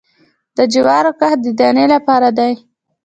د جوارو کښت د دانې لپاره دی